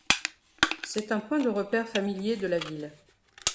C'est un point de repère familier de la ville.